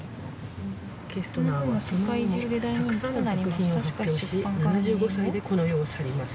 「ケストナーはその後もたくさんの作品を発表し７５歳でこの世を去ります」。